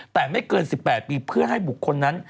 แต่ไม่เกิน๑๘ปีเพื่อให้บุคคลนั้น